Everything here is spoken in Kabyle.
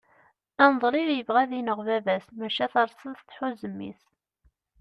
aneḍlib yebɣa ad ineɣ baba-s maca tarsast tḥuz mmi-s